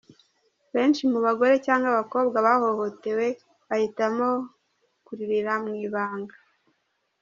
Benshi mu bagore cyangwa abakobwa bahohotewe bahitamo kuririra mu ibanga.